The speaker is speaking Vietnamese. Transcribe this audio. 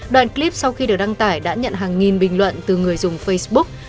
đoạn clip sau khi được đăng tải đã nhận hàng nghìn bình luận từ người dùng facebook